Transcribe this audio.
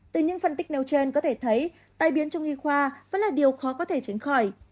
từ những phân tích nêu trên có thể thấy tai biến trong y khoa vẫn là điều khó có thể tránh khỏi